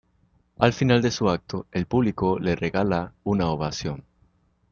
Al final de su acto, el público le regala una ovación.